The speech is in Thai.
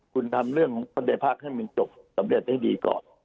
คุณทำเรื่องของประเทศภักดิ์ให้มันจบสำเร็จให้ดีก่อน